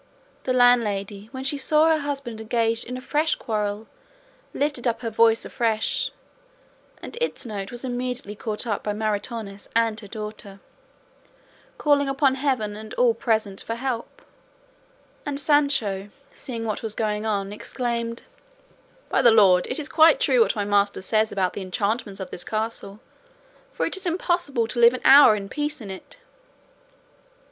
The landlady, when she saw her husband engaged in a fresh quarrel, lifted up her voice afresh, and its note was immediately caught up by Maritornes and her daughter, calling upon heaven and all present for help; and Sancho, seeing what was going on, exclaimed, "By the Lord, it is quite true what my master says about the enchantments of this castle, for it is impossible to live an hour in peace in it!"